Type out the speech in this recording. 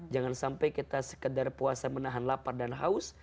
jangan sampai kita sekedar puasa menahan lapar dan haus